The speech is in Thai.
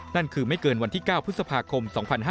นั่นคือไม่เกินวันที่๙พฤษภาคม๒๕๕๙